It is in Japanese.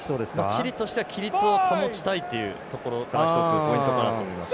チリとしては規律を保ちたいというのが一つポイントになると思います。